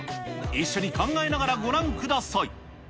一緒に考えながらご覧ください。